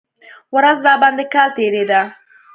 ورځ راباندې کال تېرېده.